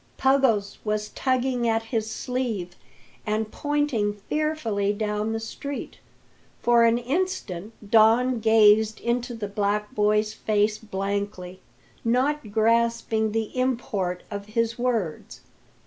Puggles was tugging at his sleeve, and pointing fearfully down the street. For an instant Don gazed into the black boy's face blankly, not grasping the import of his words.